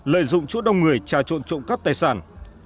lợi dụng chỗ đông người trà trộn cắp tài sản